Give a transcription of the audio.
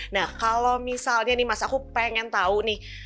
nah kalau misalnya nih mas aku pengen tahu nih